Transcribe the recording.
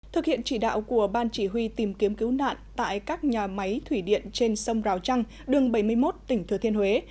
thực hiện chỉ đạo của ban chỉ huy tìm kiếm cứu nạn tại các nhà máy thủy điện trên sông rào trăng đường bảy mươi một tỉnh thừa thiên huế